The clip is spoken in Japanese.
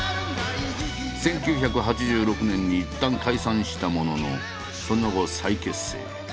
１９８６年にいったん解散したもののその後再結成。